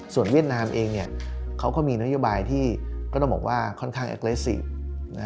ส่วนเวียดนามเองเขาก็มีนโยบายที่ก็ต้องบอกว่าค่อนข้างแอคเลสซีฟ